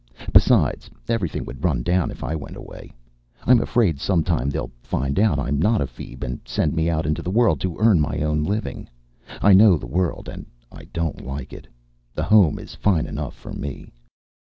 Besides, everything would run down if I went away. I'm afraid some time they'll find out I'm not a feeb and send me out into the world to earn my own living. I know the world, and I don't like it. The Home is fine enough for me.